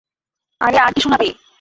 আরে আর কি শুনাবি!